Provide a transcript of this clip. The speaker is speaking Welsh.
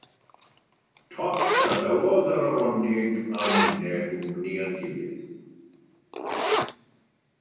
Toc gadawodd yr afonig a minne gwmni ein gilydd